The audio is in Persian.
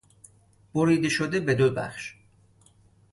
بریده شده به دو بخش